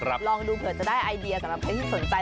ลองดูเผื่อจะได้ไอเดียสำหรับใครที่สนใจ